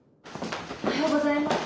おはようございます。